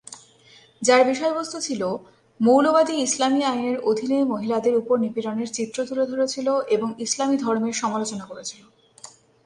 যার বিষয়বস্তু ছিল "মৌলবাদী ইসলামী আইনের অধীনে মহিলাদের উপর নিপীড়নের চিত্র তুলে ধরেছিল এবং ইসলামী ধর্মের সমালোচনা করেছিল"।